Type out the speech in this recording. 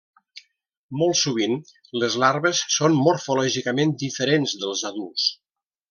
Molt sovint les larves són morfològicament diferents dels adults.